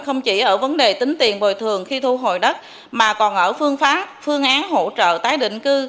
không chỉ ở vấn đề tính tiền bồi thường khi thu hồi đất mà còn ở phương pháp phương án hỗ trợ tái định cư